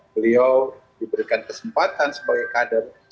beliau diberikan kesempatan sebagai kader